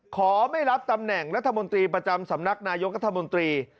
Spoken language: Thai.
ขอไม่รับตำแหน่งรัฐมนตรีประจำสำนักนายกรัฐมนตรี